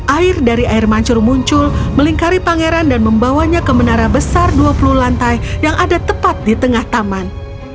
air dari air mancur muncul melingkari pangeran dan membawanya ke menara besar dua puluh lantai yang ada tepat di tengah taman